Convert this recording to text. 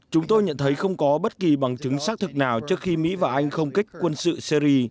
chúng tôi nhận thấy không có bất kỳ bằng chứng xác thực nào trước khi mỹ và anh không kích quân sự syri